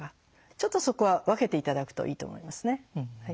ちょっとそこは分けて頂くといいと思いますね。